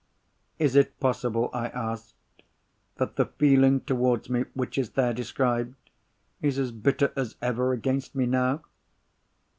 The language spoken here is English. "Is it possible," I asked, "that the feeling towards me which is there described, is as bitter as ever against me now?"